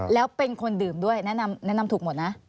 แล้วเป็นคนดื่มด้วยแนะนำถูกหมดนะ